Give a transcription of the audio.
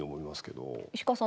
石川さん